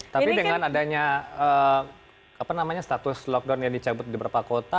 tapi dengan adanya status lockdown yang dicabut di beberapa kota